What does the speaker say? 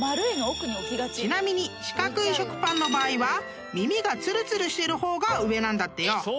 ［ちなみに四角い食パンの場合は耳がつるつるしてる方が上なんだってよ］えっ！